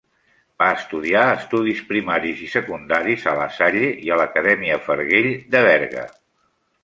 Va estudiar estudis primaris i secundaris a la Salle i a l'Acadèmia Farguell de Berga.